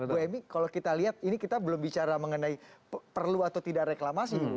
bu emy kalau kita lihat ini kita belum bicara mengenai perlu atau tidak reklamasi